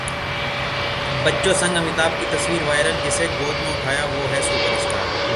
बच्चों संग अमिताभ की तस्वीर वायरल, जिसे गोद में उठाया वो है सुपरस्टार